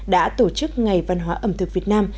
đã tổ chức ngày văn hóa ẩm thực việt nam